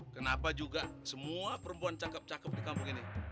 kenapa juga semua perempuan cakep cakep di kampung ini